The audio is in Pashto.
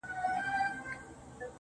خود دي خالـونه پــه واوښتــل.